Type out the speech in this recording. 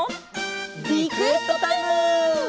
リクエストタイム！